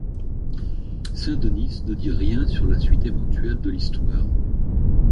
Saint Denys ne dit rien sur la suite éventuelle de l'histoire.